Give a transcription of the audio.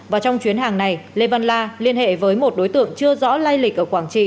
và trong chuyến hàng này lê văn la liên hệ với một đối tượng chưa rõ lay lịch ở quảng trị